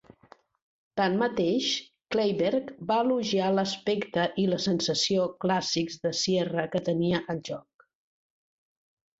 Tanmateix, Kleinberg va elogiar l'aspecte i la sensació clàssics de Sierra que tenia el joc.